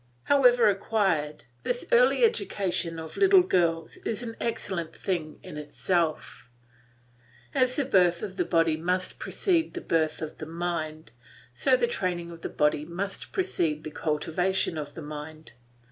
However acquired, this early education of little girls is an excellent thing in itself. As the birth of the body must precede the birth of the mind, so the training of the body must precede the cultivation of the mind.